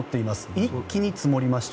一気に積もりました。